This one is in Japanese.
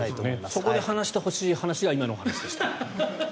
そこで話してほしいのが今のお話でした。